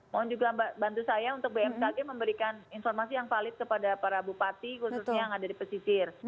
mohon juga bantu saya untuk bmkg memberikan informasi yang valid kepada para bupati khususnya yang ada di pesisir